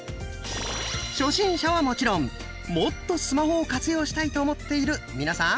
初心者はもちろんもっとスマホを活用したいと思っている皆さん！